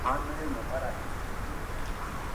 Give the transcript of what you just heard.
د غره په لمنه کې د کوچیانو کيږدۍ ډېرې ښکلي ښکاري.